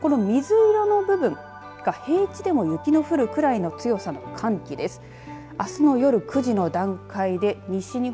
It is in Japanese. この水色の部分が平地でも雪の降るくらいの強さの寒気です。